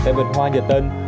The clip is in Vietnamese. tên vật hoa nhiệt tân